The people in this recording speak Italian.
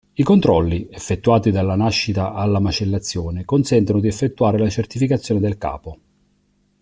I controlli, effettuati dalla nascita alla macellazione, consentono di effettuare la certificazione del capo.